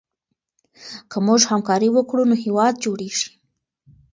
که موږ همکاري وکړو نو هېواد جوړېږي.